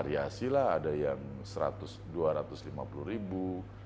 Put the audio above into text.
variasi lah ada yang satu ratus dua ratus lima puluh ribu